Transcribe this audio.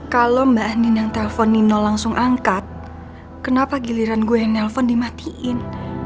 kalau mbak anin yang telfon nino langsung angkat kenapa giliran gue yang telfon dimatiin